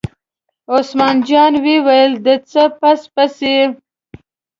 عثمان جان وویل: د څه پس پسي.